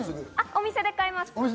お店で買えます。